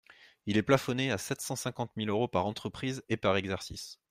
Il est plafonné à sept cent cinquante mille euros par entreprise et par exercice.